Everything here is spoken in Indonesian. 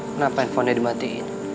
kenapa handphonenya dimatiin